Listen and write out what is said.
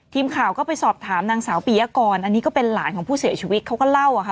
ทีมข่าวก็ไปสอบถามนางสาวปียกรอันนี้ก็เป็นหลานของผู้เสียชีวิตเขาก็เล่าอะค่ะ